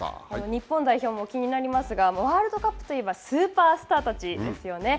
日本代表も気になりますが、ワールドカップといえばスーパースターたちですよね。